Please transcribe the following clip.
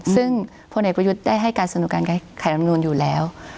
ซึ่งพลเอกประยุทธ์ได้ให้การสนุกการแก้ไขรำนูนอยู่แล้ว